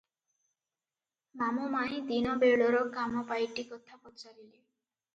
ମାମୁ ମାଇଁ ଦିନ ବେଳର କାମ ପାଇଟି କଥା ପଚାରିଲେ ।